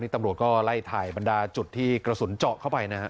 ตำรวจก็ไล่ถ่ายบรรดาจุดที่กระสุนเจาะเข้าไปนะฮะ